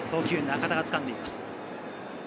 中田がつかんでいます。